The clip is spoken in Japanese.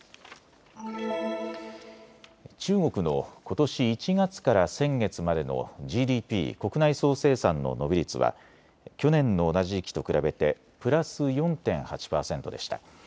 中国のことし１月から先月までのＧＤＰ・国内総生産の伸び率は去年の同じ時期と比べてプラス４．８％でした。